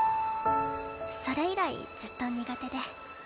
それ以来ずっと苦手で。